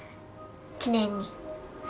記念に。